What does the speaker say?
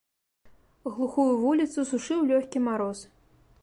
Глухую вуліцу сушыў лёгкі мароз.